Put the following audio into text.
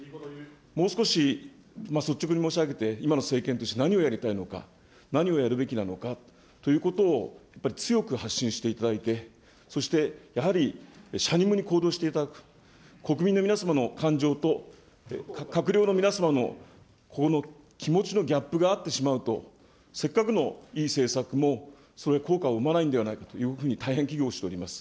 もう少し率直に申し上げて、今の政権として何をやりたいのか、何をやるべきなのかということを、やっぱり強く発信していただいて、そしてやはり、しゃにむに行動していただく、国民の皆様の感情と閣僚の皆様のこの気持ちのギャップがあってしまうと、せっかくのいい政策もそれは効果を生まないんではないかというふうに大変危惧をしております。